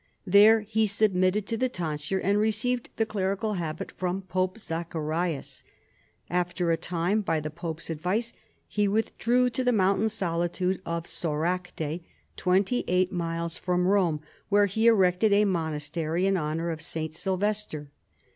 There he submitted to the tonsui'e and received the clerical habit from Po})e Zacharias. After a time, by the pope's advice, he withdrew to the mountain solitude of Soracte, twenty eight miles from Bome, where he erected a monastery in honor of St. Sylvester.